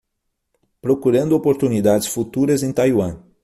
Procurando oportunidades futuras em Taiwan